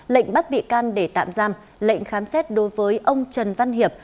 lệnh bắt bị can để tạm giam lệnh khám xét đối với ông trần văn hiệp